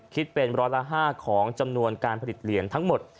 คิดเป็นร้อยละ๕ของจำนวนการผลิตเหรียญทั้งหมด